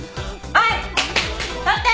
はい！